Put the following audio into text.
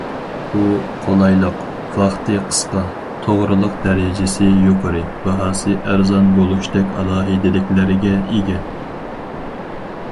ئۇ قولايلىق، ۋاقتى قىسقا، توغرىلىق دەرىجىسى يۇقىرى، باھاسى ئەرزان بولۇشتەك ئالاھىدىلىكلەرگە ئىگە.